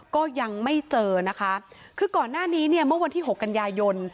ก็ยังไม่เจอนะคะคือก่อนหน้านี้เนี่ยเมื่อวันที่หกกันยายน